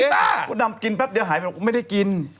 ผมดำกินแปบเดียวหายไป